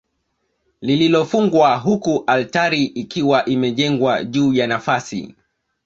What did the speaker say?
Lililofungwa huku altari ikiwa imejengwa juu ya nafasi